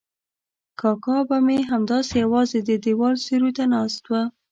کاکا به مې همداسې یوازې د دیوال سیوري ته ناست و.